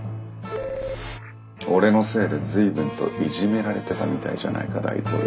「俺のせいで随分といじめられてたみたいじゃないか大統領」。